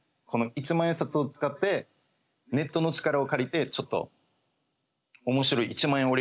この一万円札を使ってネットの力を借りてちょっと面白い１万円